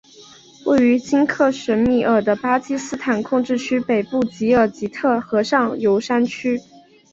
位于今克什米尔的巴基斯坦控制区北部吉尔吉特河上游山区。